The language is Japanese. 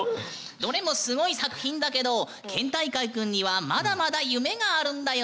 どれもすごい作品だけど県大会くんにはまだまだ夢があるんだよね？